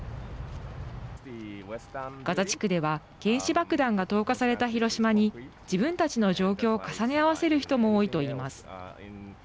ガザ地区では原子爆弾が投下された広島に自分たちの状況を重ね合わせる人も多いと言います。